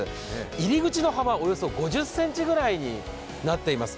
入り口の幅およそ５０ｃｍぐらいになっています。